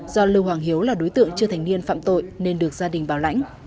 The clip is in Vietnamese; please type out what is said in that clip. do lưu hoàng hiếu là đối tượng chưa thành niên phạm tội nên được gia đình bảo lãnh